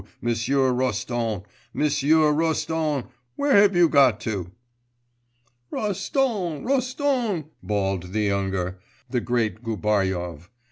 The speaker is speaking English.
M'sieu Roston, M'sieu Roston!... Where have you got to?' 'Roston! Roston!' bawled the younger, the great Gubaryov.